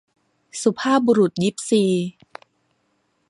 สุภาพบุรุษยิปซี